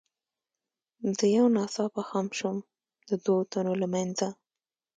زه یو ناڅاپه خم شوم، د دوو تنو له منځه.